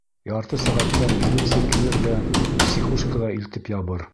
Ярты сәғәттән милиция килер ҙә психушкаға илтеп ябыр!